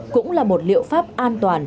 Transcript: cũng là một liệu pháp an toàn